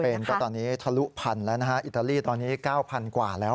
อิตาลีนก็ตอนนี้ทะลุพันธุ์แล้วอิตาลีตอนนี้๙พันธุ์กว่าแล้ว